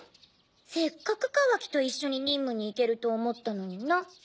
せっかくカワキと一緒に任務に行けると思ったのにな。